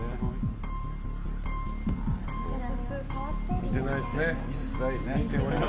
見てないですね、一切。